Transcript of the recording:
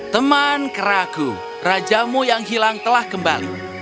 teman keraku rajamu yang hilang telah kembali